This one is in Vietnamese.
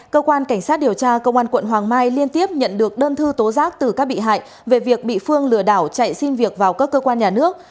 cơ quan cảnh sát điều tra công an quận hoàng mai liên tiếp nhận được đơn thư tố giác từ các bị hại về việc bị phương lừa đảo chạy xin việc vào các cơ quan nhà nước